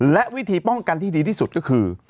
และวิธีป้องกันที่ดีที่สุดก็คือ